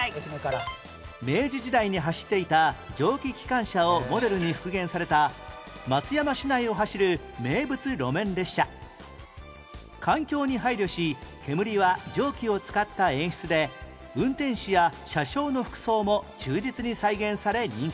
明治時代に走っていた蒸気機関車をモデルに復元された松山市内を走る名物路面列車環境に配慮し煙は蒸気を使った演出で運転士や車掌の服装も忠実に再現され人気に